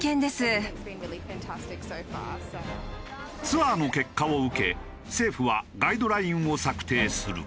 ツアーの結果を受け政府はガイドラインを策定する。